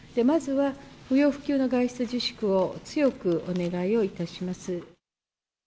まずは、不要不急の外出自粛を強くお願いをいたします。